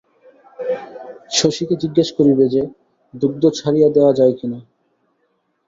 শশীকে জিজ্ঞাসা করিবে যে, দুগ্ধ ছাড়িয়া দেওয়া যায় কিনা।